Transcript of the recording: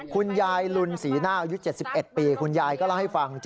คุณยายลุนศรีหน้าอายุ๗๑ปีคุณยายก็เล่าให้ฟัง